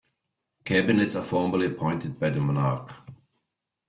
Cabinets are formally appointed by the Monarch.